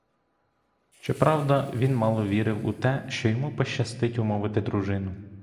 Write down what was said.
Щоправда, він мало вірив у те, що йому пощастить умовити дружину.